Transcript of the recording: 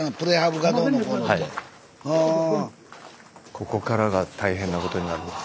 ここからが大変なことになるんです。